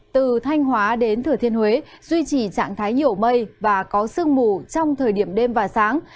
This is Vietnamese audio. từ thanh hóa đến thừa thiên huế duy trì trạng thái nhiều mây và có sương mù trong thời điểm đêm và sáng